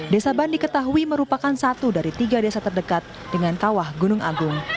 desa ban diketahui merupakan satu dari tiga desa terdekat dengan kawah gunung agung